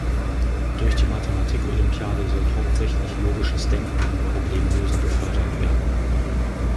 Durch die Mathematik-Olympiade soll hauptsächlich logisches Denken und Problemlösen gefördert werden.